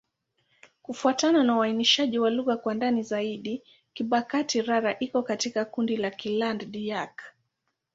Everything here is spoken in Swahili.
Kufuatana na uainishaji wa lugha kwa ndani zaidi, Kibakati'-Rara iko katika kundi la Kiland-Dayak.